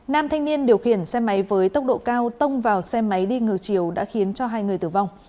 nam thanh niên điều khiển xe máy với tốc độ cao tông vào xe máy đi ngược chiều đã khiến cho hai người tử vong